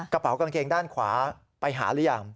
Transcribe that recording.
กระเป๋ากางเกงด้านขวาไปหาหรือยัง